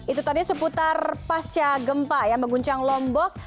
itu tadi seputar pasca gempa yang mengguncang lombok